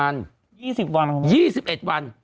๒๐วันคือไหมครับ๒๑วัน